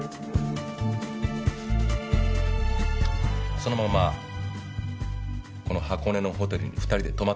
そのままこの箱根のホテルに２人で泊まってます。